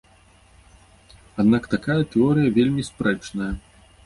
Аднак такая тэорыя вельмі спрэчная.